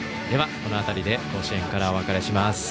では、この辺りで甲子園からお別れします。